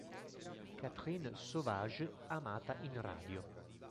Catherine Sauvage amata in radio.